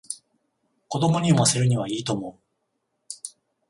子供に読ませるにはいいと思う